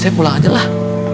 saya pulang aja lah